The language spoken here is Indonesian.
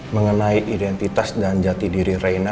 mengenai identitas dan jati diri raina